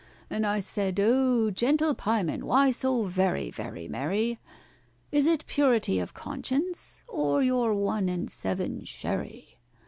And I said, "O gentle pieman, why so very, very merry? Is it purity of conscience, or your one and seven sherry?"